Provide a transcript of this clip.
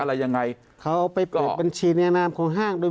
เขาเอาไปปัญชีแนวหนามของห้าง